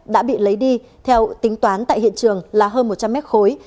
đã bị lấy đi theo tính toán tại hiện trường là hơn một trăm linh mét khối